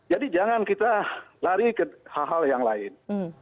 jadi jangan kita lari ke hal hal yang lain